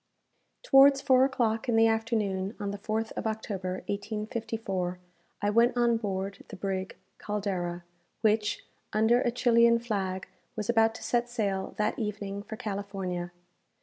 Towards four o'clock in the afternoon, on the 4th of October, 1854, I went on board the brig "Caldera," which, under a Chilian flag, was about to set sail that evening for California.